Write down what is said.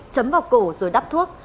chấm vào cổ rồi đắp thuốc